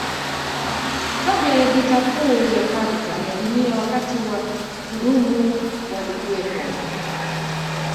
Kabla ya vita kuu ya kwanza ya Dunia wakazi wa kudumu walikuwepo